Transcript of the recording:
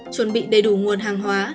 chuẩn bị đầy đủ nguồn hàng hóa